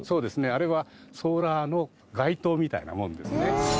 あれはソーラーの街灯みたいなものですね。